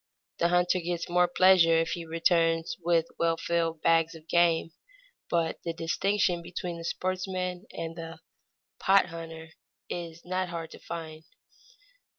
The hunter gets more pleasure if he returns with well filled bags of game, but the distinction between the sportsman and the "pot hunter" is not hard to find.